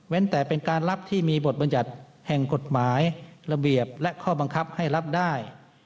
แต่เป็นการรับที่มีบทบัญญัติแห่งกฎหมายระเบียบและข้อบังคับให้รับได้